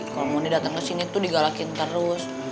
kalo om mondi dateng kesini tuh digalakin terus